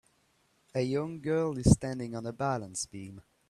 A young girl is standing on a balance beam.